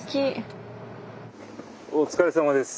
お疲れさまです。